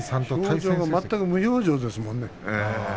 表情は全く無表情ですもんね。